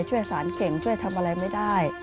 ช่วยสารเก่งช่วยทำอะไรไม่ได้